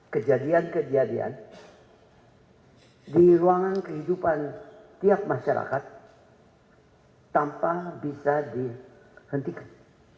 kejadian kejadian di ruangan kehidupan tiap masyarakat tanpa bisa dihentikan